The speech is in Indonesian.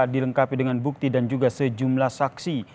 dilengkapi dengan bukti dan juga sejumlah saksi